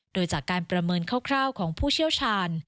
โดยจากการประเมินคร่าวของผู้เชี่ยวชาญ